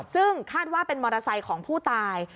ซึ่งคาดว่าเป็นมอเตอร์ไซค์ของผู้ตาย